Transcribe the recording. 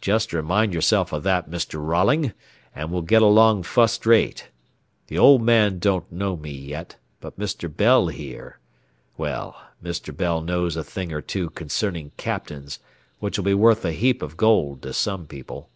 Jest remind yourself of that, Mr. Rolling, an' we'll get along fust rate. The old man don't know me yet, but Mr. Bell here well, Mr. Bell knows a thing or two concernin' captains which'll be worth a heap of gold to some people."